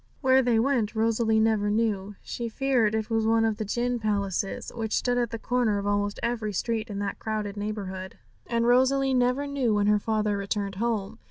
Where they went Rosalie never knew; she feared it was to one of the gin palaces, which stood at the corner of almost every street in that crowded neighbourhood. And Rosalie never knew when her father returned home.